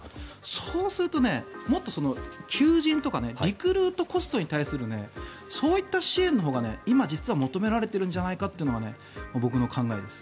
そうするとね、もっと求人とかリクルートコストに対するそういった支援のほうが今、実は求められているんじゃないかというのが僕の考えです。